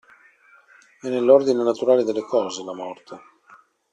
È nell'ordine naturale delle cose, la morte.